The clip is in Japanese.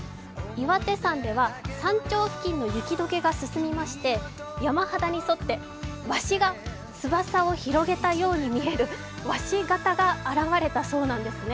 岩手山では、山頂付近の雪解けが進みまして山肌に沿って鷲が翼を広げたように見えるワシ形が現れたそうなんですね。